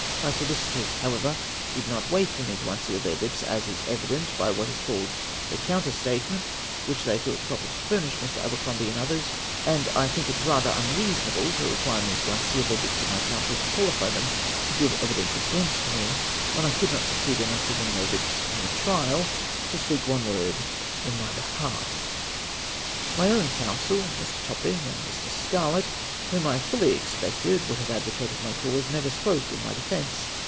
]My solicitors, however, did not wait for me to unseal their lips, as is evident by what is called the counter statement, with which they thought projjer to furnish Mr. Abercrombie and others; and I think it rather unreasonable to require me to unseal the lips of my counsel to qualify them to give evidence against me, when I could not succeed in unsealing their lips on the trial to speak one word in my behalf. My own counsel, Mr. Topping and Mr. Scarlett, whom I fully expected would have advocated my cause, never spoke in my defence.